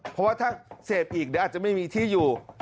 เพราะว่าถ้าเสพอีกเดี๋ยวอาจจะไม่มีที่อยู่